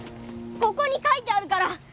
ここに書いてあるから。